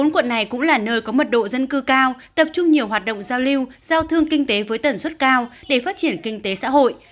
bốn quận này cũng là nơi có mật độ dân cư cao tập trung nhiều hoạt động giao lưu giao thương kinh tế với tần suất cao để phát triển kinh tế xã hội